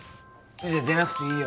じゃ出なくていいよ